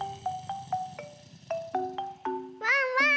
ワンワーン！